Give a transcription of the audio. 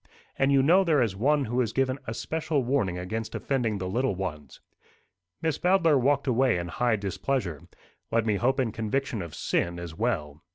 And you know there is One who has given especial warning against offending the little ones." Miss Bowdler walked away in high displeasure let me hope in conviction of sin as well.